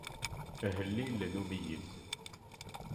Ahellil n umeyyez.